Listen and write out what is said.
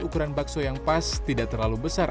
ukuran bakso yang pas tidak terlalu besar